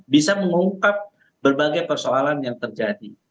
bisa mengungkap berbagai persoalan yang terjadi